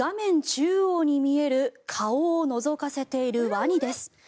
中央に見える顔をのぞかせているワニです。